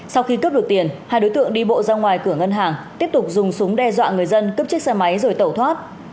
sau khi cướp được tiền hai đối tượng đi bộ ra ngoài cửa ngân hàng tiếp tục dùng súng đe dọa người dân cướp chiếc xe máy rồi tẩu thoát